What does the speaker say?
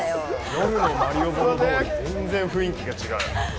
夜のマリオボロ通り全然雰囲気が違う。